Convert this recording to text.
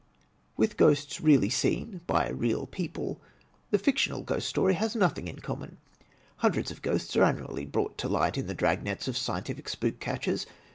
With ghosts really seen by real people, the fictional Ghost Story has nothing in common. Hundreds of ghosts are annually brought to light in the dragnets of scientific spook catchers.